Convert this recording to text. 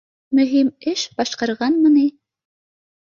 Мөһим эш башҡарғанмы ни!